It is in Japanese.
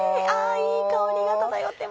いい香りが漂ってます。